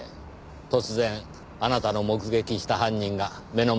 突然あなたの目撃した犯人が目の前に現れれば。